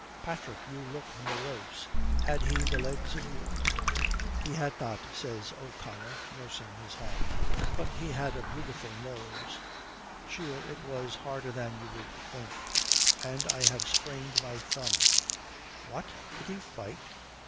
"Patrick, you look morose. Had he the legs of you?" "He had not," says O'Connor, nursing his hand. "But he had a beautiful nose. Sure, it was harder than you would think. And I have sprained my thumb." "What, did he fight?"